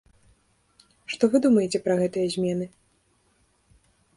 Што вы думаеце пра гэтыя змены?